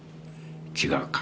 違うか？